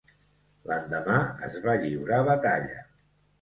L'endemà es va lliurar batalla.